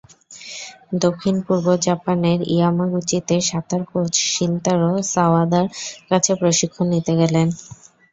দক্ষিণ–পূর্ব জাপানের ইয়ামাগুচিতে সাঁতার coach Shintaro সাওয়াদার কাছে প্রশিক্ষণ নিতে গেলেন।